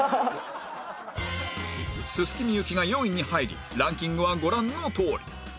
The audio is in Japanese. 薄幸が４位に入りランキングはご覧のとおり